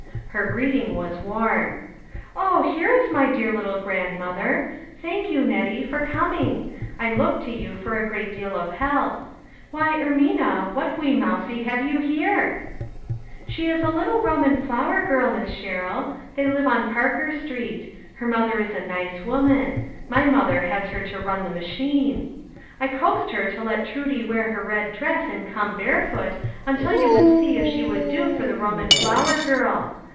Her greeting was warm. " Oh ! here is my dear little grandmother. Thank you, Nettie, for coming; I look to you for a great deal of help. Why, Ermina, what weemousie have you here?" THE FLOWEB PARTY. 315 " She is a little Roman flower girl, Miss Sher rill ; they live on Parker street. Her mother is a nice woman ; my mother has her to run the machine. I coaxed her to let Trudie wear her red dress and come barefoot, until you would see if she would do for the Roman flower girl.